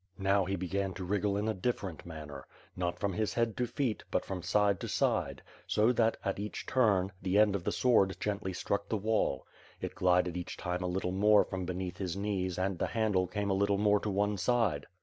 Now he began to wriggle in a difiEerent manner. Not from his head to feet, but from side to side; so that, at each turn, the end of the sward gently struck the wall. It glided each time a little more from beneath his knees and the handle came a little more to one side.